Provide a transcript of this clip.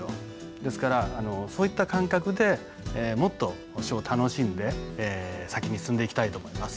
ですからそういった感覚でもっと書を楽しんで先に進んでいきたいと思います。